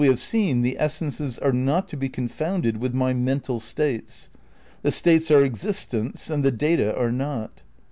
118 THE NEW IDEALISM m seen, the essences are not to be confounded with my mental states. The states are existents and the data are not.